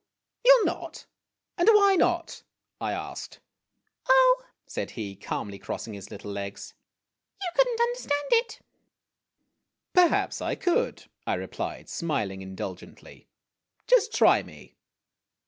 "You '11 not? and why not?" I asked. "Oh," said he, calmly crossing his little legs, "you could n't understand it." "Perhaps I could," I replied, smiling indulgently. "Just try me."